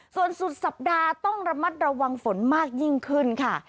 ส่วนสุดสัปดาห์ต้องระมัดระวังฝนมากยิ่งขึ้นค่ะ